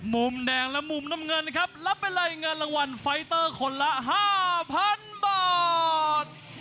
มุมแดงและมุมน้ำเงินนะครับรับไปเลยเงินรางวัลไฟเตอร์คนละ๕๐๐๐บาท